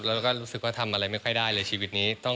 แล้วก็รู้สึกว่าทำอะไรไม่ค่อยได้เลยชีวิตนี้